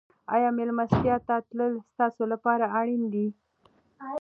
آیا مېلمستیا ته تلل ستاسو لپاره اړین دي؟